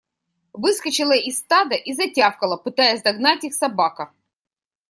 Выскочила из стада и затявкала, пытаясь догнать их, собака.